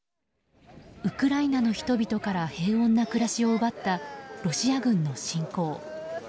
ウクライナの人々から平穏な暮らしを奪ったロシア軍の侵攻。